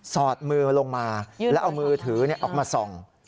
สอดมือลงมาแล้วเอามือถือออกมาส่อง